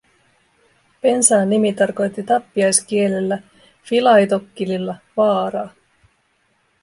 Pensaan nimi tarkoitti tappiaiskielellä, filaitokkililla, vaaraa.